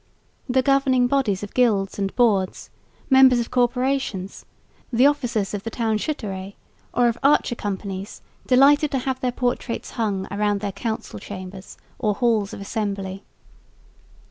The governing bodies of gilds and boards, members of corporations, the officers of the town schutterij or of archer companies delighted to have their portraits hung around their council chambers or halls of assembly.